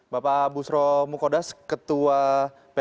bapak busro mukodas ketua dpr